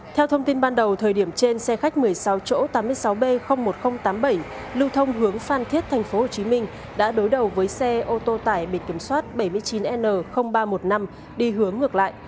theo thông tin ban đầu thời điểm trên xe khách một mươi sáu chỗ tám mươi sáu b một nghìn tám mươi bảy lưu thông hướng phan thiết tp hcm đã đối đầu với xe ô tô tải bị kiểm soát bảy mươi chín n ba trăm một mươi năm đi hướng ngược lại